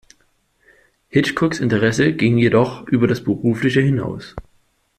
Hitchcocks Interesse ging jedoch über das Berufliche hinaus.